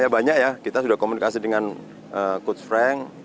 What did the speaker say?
banyak ya kita sudah komunikasi dengan coach frank